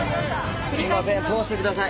すいません通してください。